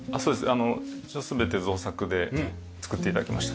あの一応全て造作で作って頂きました。